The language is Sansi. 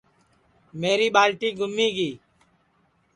میری ٻالٹی گُمی گی